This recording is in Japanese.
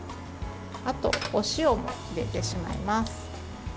あと、お塩も入れてしまいます。